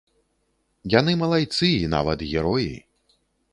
Яны малайцы і нават героі.